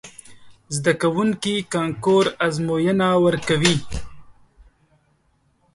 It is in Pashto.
زده کوونکي کانکور ازموینه ورکوي.